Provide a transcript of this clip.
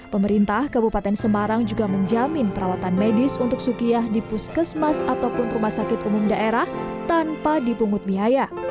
pemerintah kabupaten semarang juga menjamin perawatan medis untuk sukiyah di puskesmas ataupun rumah sakit umum daerah tanpa dipungut biaya